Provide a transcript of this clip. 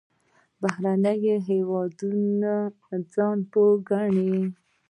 بهرني هېوادونه ځان پوه ګڼي.